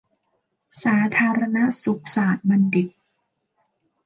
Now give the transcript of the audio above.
สาธารณสุขศาสตรบัณฑิต